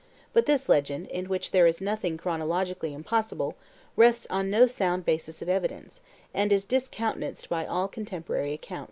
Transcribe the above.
But this legend, in which there is nothing chronologically impossible, rests on no sound basis of evidence, and is discountenanced by all contemporary accounts.